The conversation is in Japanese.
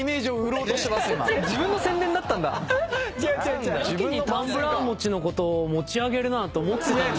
やけにタンブラー持ちのことを持ち上げるなと思ってたんですよ。